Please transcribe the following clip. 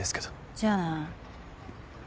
じゃあな。